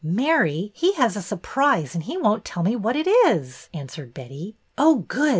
" Mary, he has a surprise and he won't tell me what it is," answered Betty. " Oh, good